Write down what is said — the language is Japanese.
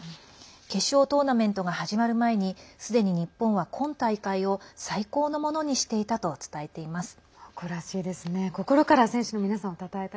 決勝トーナメントが始まる前にすでに日本は今大会を最高のものにしていたと伝えています。